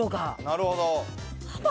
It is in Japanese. なるほど。